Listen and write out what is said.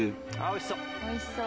おいしそう。